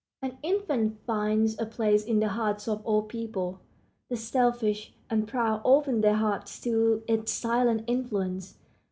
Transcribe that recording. An infant finds a place in the hearts of all people. The selfish and proud open their hearts to its silent influence.